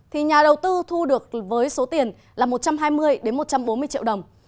thì nhà đầu tư thu được với số tiền là một trăm hai mươi một trăm bốn mươi triệu đồng